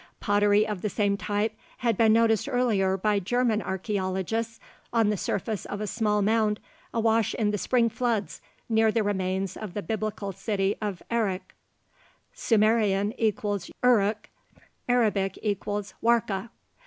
Pottery of the same type had been noticed earlier by German archeologists on the surface of a small mound, awash in the spring floods, near the remains of the Biblical city of Erich (Sumerian = Uruk; Arabic = Warka).